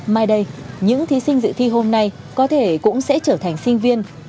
mai đây những thí sinh dự thi hôm nay có thể cũng sẽ trở thành sinh viên